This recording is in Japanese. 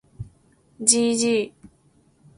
gg